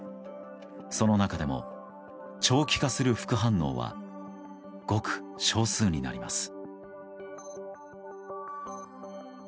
その中でも長期化する副反応はごく少数になります。